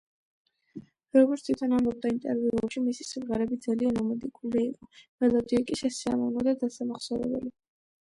როგორც თვითონ ამბობდა ინტერვიუებში, მისი სიმღერები ძალიან რომანტიკული იყო, მელოდია კი სასიამოვნო და დასამახსოვრებელი.